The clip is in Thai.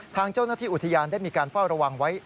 ทางเจ้าหน้าที่อุทยานได้มีการเฝ้าระวังไว้